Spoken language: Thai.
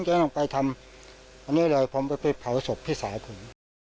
ฉันก็ต้องไปทำอันนี้เลยผมไปเผาศพพี่สาวผม